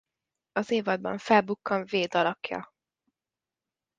Az évadban felbukkan Wade alakja.